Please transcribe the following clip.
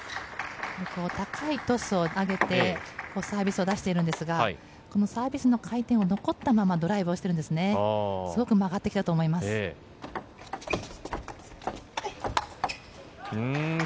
高いトスを上げてサービスを出しているんですがこのサービスの回転が残ったままドライブをしているんですね。